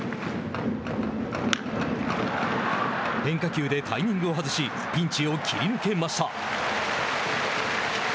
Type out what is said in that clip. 変化球でタイミングを外しピンチを切り抜けました。